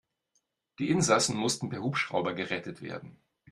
Die Insassen mussten per Hubschrauber gerettet werden.